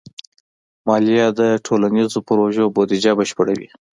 مالیه د ټولنیزو پروژو بودیجه بشپړوي.